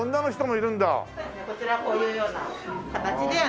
こちらこういうような形で昔の様子が。